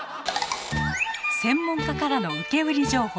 専門家からの受け売り情報。